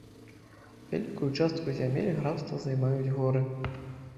Вялікую частку зямель графства займаюць горы.